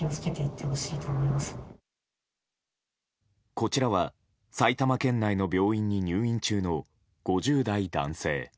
こちらは、埼玉県内の病院に入院中の５０代男性。